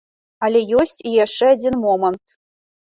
Але ёсць і яшчэ адзін момант.